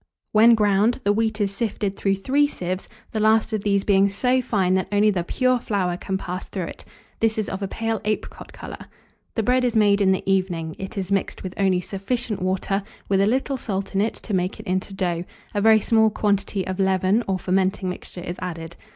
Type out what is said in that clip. When ground, the wheat is sifted through three sieves, the last of these being so fine that only the pure flour can pass through it: this is of a pale apricot colour. The bread is made in the evening. It is mixed with only sufficient water, with a little salt in it, to make it into dough: a very small quantity of leaven, or fermenting mixture is added.